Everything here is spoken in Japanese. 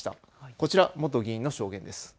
こちら、元議員の証言です。